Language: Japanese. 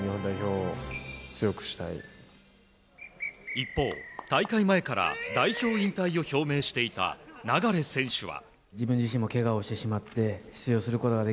一方、大会前から代表引退を表明していた流選手は。